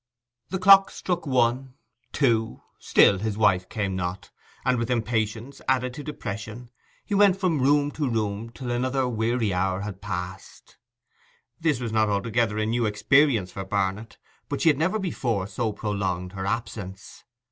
The clock struck one, two; still his wife came not, and, with impatience added to depression, he went from room to room till another weary hour had passed. This was not altogether a new experience for Barnet; but she had never before so prolonged her absence.